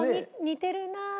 「似てるなあ」